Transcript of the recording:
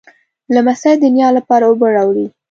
لمسی د نیا لپاره اوبه راوړي.